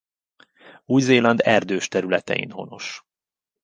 Új-Zéland erdős területein honos.